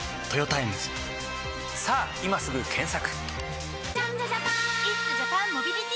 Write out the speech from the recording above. さぁ今すぐ検索！